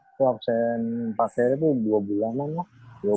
aku absen empat seri tuh dua bulan lah